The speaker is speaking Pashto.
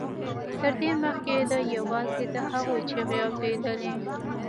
تر دې مخکې ده یوازې د هغوی چیغې اورېدلې